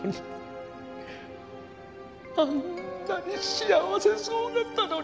あんなに幸せそうだったのに。